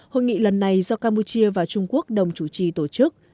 hội nghị lần này do campuchia và trung quốc đồng chủ trì tổ chức